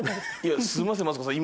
すいませんマツコさん